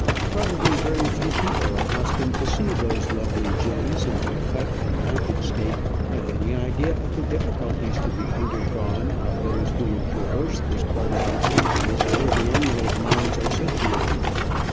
Probably very few people accustomed to see those lovely gems in their cut and mounted state have any idea of the difficulties to be undergone by those who would traverse this part of the Andes where the emerald mines are situated.